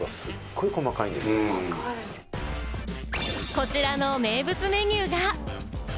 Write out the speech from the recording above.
こちらの名物メニューが。